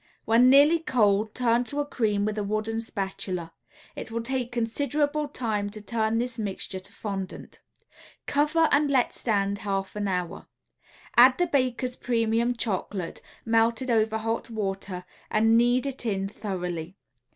When nearly cold turn to a cream with a wooden spatula. It will take considerable time to turn this mixture to fondant. Cover and let stand half an hour. Add the Baker's Premium Chocolate, melted over hot water, and knead it in thoroughly.